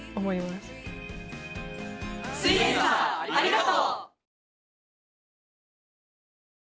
すイエんサーありがとう！